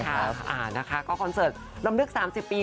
ค่ะนะคะก็คอนเสิร์ตลำลึก๓๐ปี